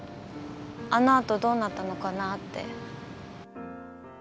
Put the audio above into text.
あのあとどうなったのかなあって。